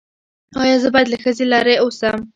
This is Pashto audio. ایا زه باید له ښځې لرې اوسم؟